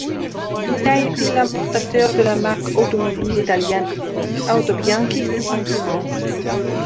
Il a été l'importateur de la marque automobile italienne Autobianchi en France.